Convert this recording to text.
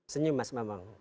senyum mas bambang